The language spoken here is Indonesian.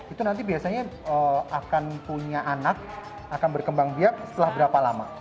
itu nanti biasanya akan punya anak akan berkembang biak setelah berapa lama